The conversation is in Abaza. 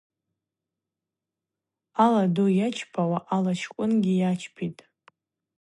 Ала ду йачпауа ала чкӏвынгьи йачпитӏ.